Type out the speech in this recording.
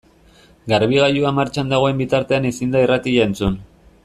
Garbigailua martxan dagoen bitartean ezin da irratia entzun.